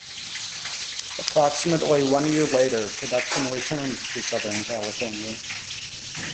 Approximately one year later, production returned to Southern California.